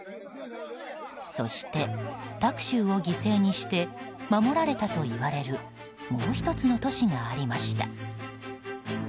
そして、タクシュウを犠牲にして守られたといわれるもう１つの都市がありました。